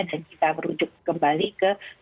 dan kita merujuk kembali ke